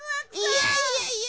いやいやいや！